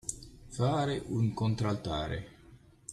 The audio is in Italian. Fare un contraltare.